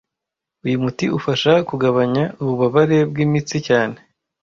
Uyu muti ufasha kugabanya ububabare bwimitsi cyane